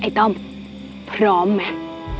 ไอ้ต้มพร้อมไหม